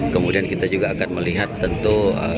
kemudian kita juga akan melihat tentu